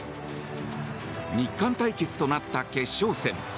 日韓対決となった決勝戦。